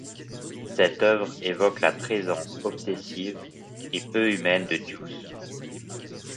Cette œuvre évoque la présence obsessive et peu humaine du Duce.